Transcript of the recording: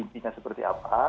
intinya seperti apa